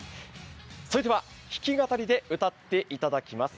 それでは弾き語りで歌っていただきます。